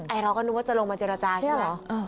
ไอร็อกก็นึกว่าจะลงมาเจรจาใช่ไหม